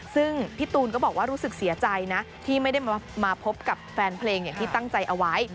ซึ่งพี่ตูนก็บอกว่ารู้สึกเสียใจนะที่ไม่ได้มาพบกับแฟนเพลงอย่างที่ตั้งใจเอาไว้